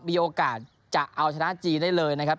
มีโอกาสจะเอาชนะจีนได้เลยนะครับ